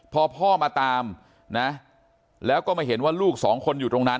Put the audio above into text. พอพ่อมาตามนะแล้วก็มาเห็นว่าลูกสองคนอยู่ตรงนั้น